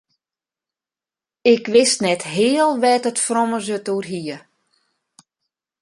Ik wist net heal wêr't it frommes it oer hie.